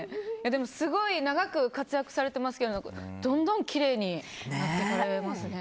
でもすごい長く活躍されてますけどどんどんきれいになっておられますね。